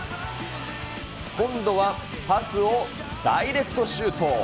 今度はパスをダイレクトシュート。